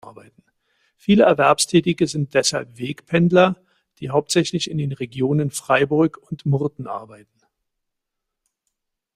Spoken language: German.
Viele Erwerbstätige sind deshalb Wegpendler, die hauptsächlich in den Regionen Freiburg und Murten arbeiten.